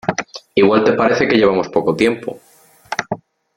igual te parece que llevamos poco tiempo